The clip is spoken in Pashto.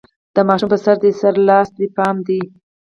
د ماشوم په سر، دې سره لاس ته دې پام دی؟